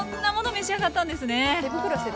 召し上がったんですって？